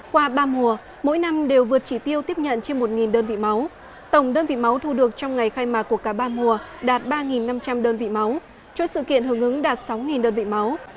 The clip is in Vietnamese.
qua ba mùa mỗi năm đều vượt chỉ tiêu tiếp nhận trên một đơn vị máu tổng đơn vị máu thu được trong ngày khai mạc của cả ba mùa đạt ba năm trăm linh đơn vị máu cho sự kiện hưởng ứng đạt sáu đơn vị máu